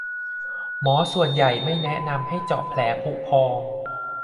หมอส่วนใหญ่ไม่แนะนำให้เจาะแผลผุพอง